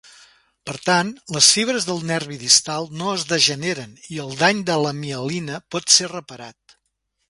Per tant, les fibres del nervi distal no es degeneren i el dany de la mielina pot ser reparat.